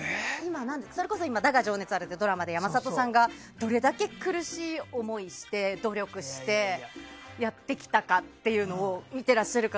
それこそ今「だが、情熱はある」ってドラマで山里さんがどれだけ苦しい思いをして努力してやってきたかっていうのを見ていらっしゃる方